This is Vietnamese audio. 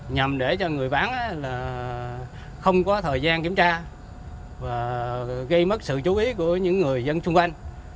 nhằm để cho người bán không có thời gian kiểm tra và gây mất sự chú ý của những người dân xung quanh